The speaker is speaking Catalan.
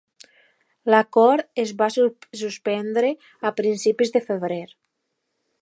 L'acord es va suspendre a principis de febrer.